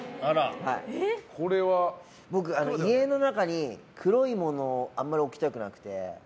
僕、家の中に黒いものをあまり置きたくなくて。